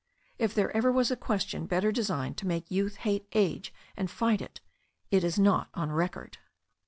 If there ever was a question better designed to make youth hate age and fight it, it is not on record.